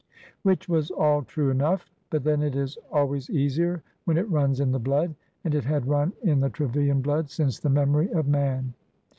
Which v/as all true enough ; but then it is always easier when it runs in the blood, — and it had run in the Trevilian blood since the memory of man.